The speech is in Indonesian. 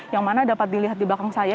yang mana dapat dilihat di belakang saya